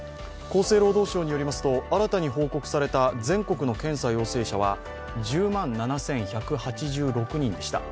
厚生労働省によりますと新たに報告された全国の検査陽性者は１０万７１８６人でした。